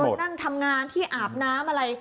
นั่งทำงานที่อาบน้ำอะไร